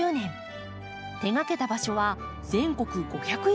手がけた場所は全国５００以上に上ります。